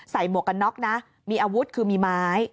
หมวกกันน็อกนะมีอาวุธคือมีไม้